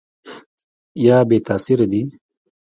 یا بې تاثیره دي ؟